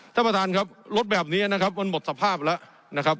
ท่านประธานครับรถแบบนี้นะครับมันหมดสภาพแล้วนะครับ